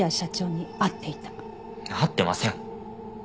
会ってません！